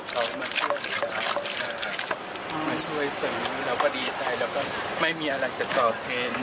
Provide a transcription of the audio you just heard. เขามาเชื่อเหมือนกันมาช่วยเสริมเราก็ดีใจแล้วก็ไม่มีอะไรจะตอบเพลง